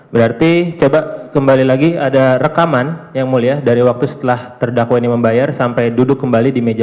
berarti coba kembali lagi ada rekaman yang mulia dari waktu setelah terdakwa ini membayar sampai duduk kembali di meja